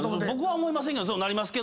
僕は思いませんけど。